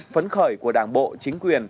phấn khởi của đảng bộ chính quyền